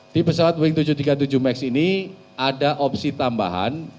di pesawat boeing tujuh ratus tiga puluh tujuh max ini ada opsi tambahan